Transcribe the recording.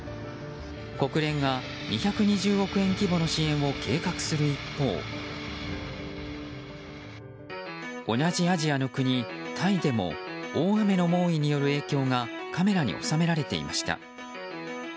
国連が２２０億円規模の支援を計画する一方同じアジアの国タイでも大雨の猛威による影響がカメラに収められていました。